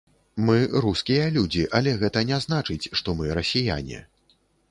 Мы рускія людзі, але гэта не значыць, што мы расіяне.